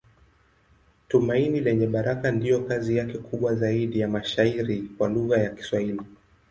Tumaini Lenye Baraka ndiyo kazi yake kubwa zaidi ya mashairi kwa lugha ya Kiswahili.